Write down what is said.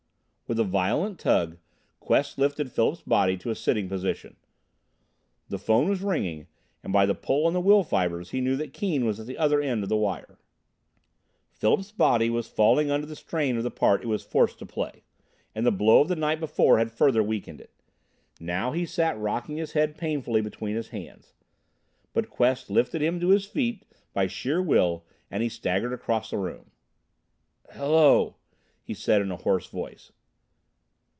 With a violent tug, Quest lifted Philip's body to a sitting posture. The phone was ringing, and by the pull on the will fibers he knew that Keane was at the other end of the wire. Philip's body was failing under the strain of the part it was forced to play, and the blow of the night before had further weakened it. Now he sat rocking his head painfully between his hands. But Quest lifted him to his feet by sheer will, and he staggered across the room. "Hello!", he said in a hoarse voice.